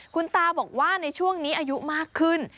คุณตาบอกว่าในช่วงนี้อายุมากขึ้น